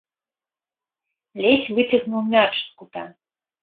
Ледзь выцягнуў мяч з кута.